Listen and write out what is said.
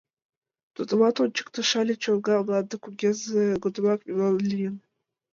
— Тудымат ончыкто: Шале чоҥга мланде кугезе годымак мемнан лийын.